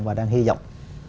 và đang hy vọng